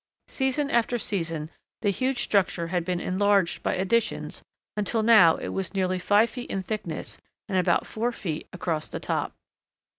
Season after season the huge structure had been enlarged by additions until now it was nearly five feet in thickness and about four feet across the top.